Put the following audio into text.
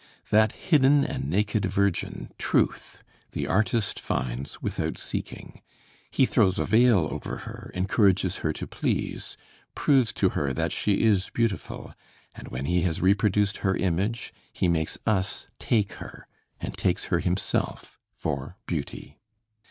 That hidden and naked virgin, Truth, the artist finds without seeking. He throws a veil over her, encourages her to please, proves to her that she is beautiful, and when he has reproduced her image he makes us take her, and takes her himself, for Beauty.